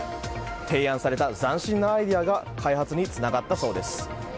提案された斬新なアイデアが開発につながったそうです。